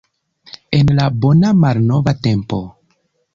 En la bona malnova tempo.